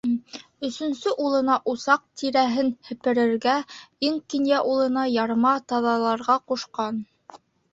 Өсөнсө улына усаҡ тирәһен һеперергә, иң кинйә улына ярма таҙаларға ҡушҡан.